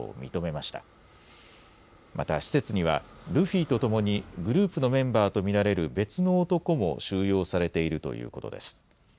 また施設には、ルフィと共にグループのメンバーと見られる別の男も収容されているということです。